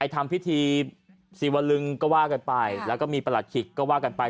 ทำพิธีศิวลึงก็ว่ากันไปแล้วก็มีประหลัดขิกก็ว่ากันไป